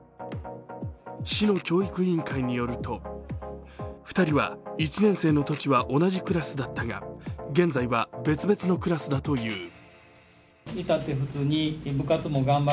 市の教育委員会によると、２人は１年生のときは同じクラスだったが現在は別々のクラスだという。